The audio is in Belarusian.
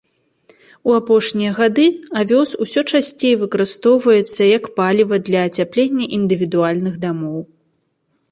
У апошнія гады авёс усё часцей выкарыстоўваецца як паліва для ацяплення індывідуальных дамоў.